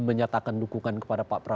menyatakan dukungan kepada pak prabowo